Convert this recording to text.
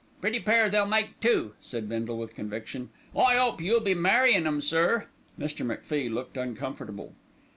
"Pretty pair they'll make too," said Bindle with conviction. "I 'ope you'll be marryin' 'em, sir." Mr. MacFie looked uncomfortable.